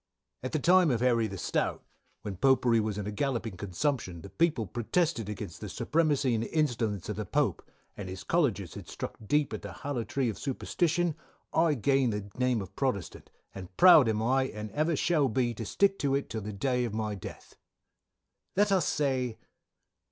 "A. At the time of Harry the stout, when Popery was in a galloping consumption the people protested against the surpremacy and instalence of the Pope; and his Colleges had struck deep at the hallow tree of superstition I gained the name of Protestant, and proud am I, and ever shall be to stick to it till the day of my death. "_Let us say.